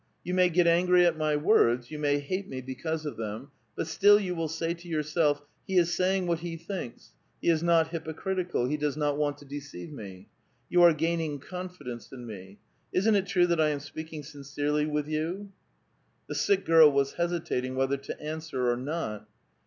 Yon may get angry at my words, you may hate me because of them, but still you will say to yourself, ' He is saying what he thinks ; he is not hypocritical, he does not want to deceive me.' Yon are gaining confidence in me. Isn't it true that I am speak ing sincerely with you ?" The sick girl was hesitating whether to answer or not.